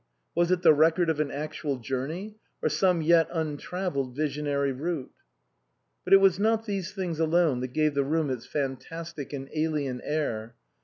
Was it the record of an actual journey, or some yet untravelled visionary route ? But it was not these things alone that gave the room its fantastic and alien air.